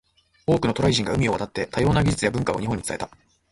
多くの渡来人が海を渡って、多様な技術や文化を日本に伝えた。